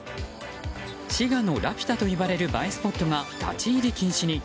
滋賀のラピュタといわれる映えスポットが立ち入り禁止に。